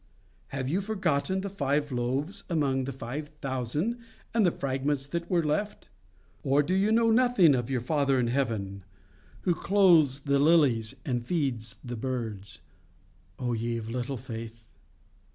Have you forgotten the five loaves among the five thousand, and the fragments that were left? Or do you know nothing of your Father in heaven, who clothes the lilies and feeds the birds? O ye of little faith?